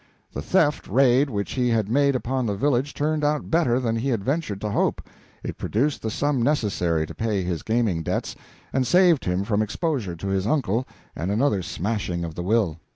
The theft raid which he had made upon the village turned out better than he had ventured to hope. It produced the sum necessary to pay his gaming debts, and saved him from exposure to his uncle and another smashing of the will.